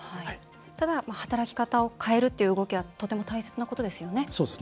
ただ、働き方を変えるという動きはとても大切なことですよね。